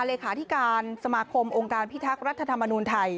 เลขาธิการสมาคมองค์การพิทักษ์รัฐธรรมนูลไทย